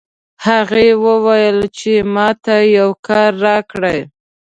هغې وویل چې ما ته یو کار راکړئ